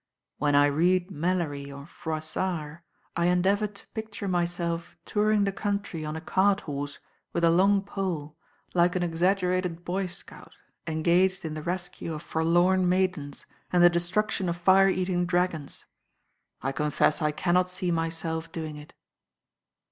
"When I read Malory or Froissart I endeavour to picture myself touring the country on a cart horse with a long pole, like an exaggerated boy scout, engaged in the rescue of forlorn maidens and the destruction of fire eating dragons. I confess I cannot see myself doing it."